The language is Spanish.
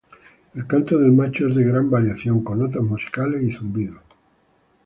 El canto del macho es de gran variación, con notas musicales y zumbidos.